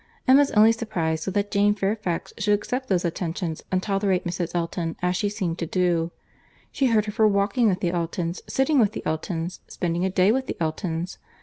Emma's only surprize was that Jane Fairfax should accept those attentions and tolerate Mrs. Elton as she seemed to do. She heard of her walking with the Eltons, sitting with the Eltons, spending a day with the Eltons!